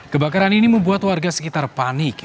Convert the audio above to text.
kebakaran ini membuat warga sekitar panik